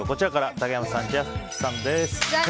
竹山さん、千秋さんです。